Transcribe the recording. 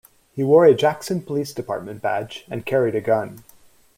He wore a Jackson Police Department badge and carried a gun.